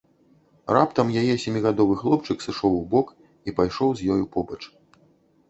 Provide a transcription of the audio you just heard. Раптам яе сямігадовы хлопчык сышоў убок і пайшоў з ёю побач.